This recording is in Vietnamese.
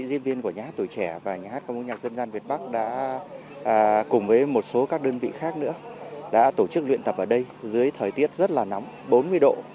hai mươi diễn viên của nhà hát tuổi trẻ và nhà hát công nhạc dân gian việt bắc đã cùng với một số các đơn vị khác nữa đã tổ chức luyện tập ở đây dưới thời tiết rất là nóng bốn mươi độ